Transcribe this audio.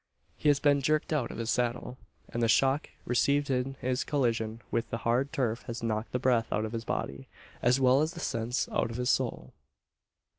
He has been jerked out of his saddle; and the shock received in his collision with the hard turf has knocked the breath out of his body, as well as the sense out of his soul!